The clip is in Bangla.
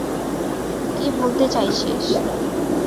কী বলতে চাইছিস?